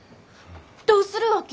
どうするわけ？